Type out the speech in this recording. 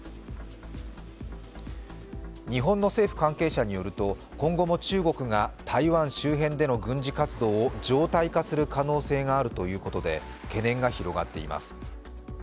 日本の政府関係者によると今後も中国が台湾周辺での軍事活動を常態化する可能性があるということで、懸念が広がっています。